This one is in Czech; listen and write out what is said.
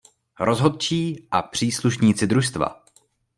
Rozhodčí a příslušníci družstva.